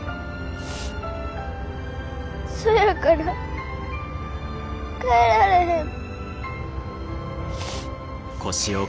そやから帰られへん。